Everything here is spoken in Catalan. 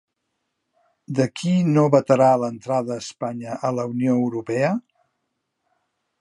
De qui no vetarà l'entrada Espanya a la Unió Europea?